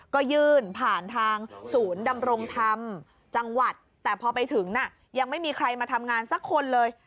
ก็ยื่นผ่านทางศูนย์ดำรงธรรมจังหวัดแต่พอไปถึงน่ะยังไม่มีใครมาทำงานสักคนเลย